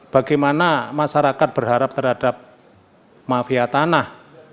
bagaimana masyarakat berharap terhadap mafia tanah